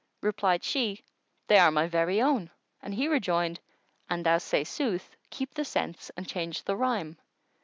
Replied she, "They are my very own," and he rejoined, "An thou say sooth keep the sense and change the rhyme."